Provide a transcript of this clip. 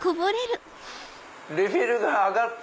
レベルが上がった！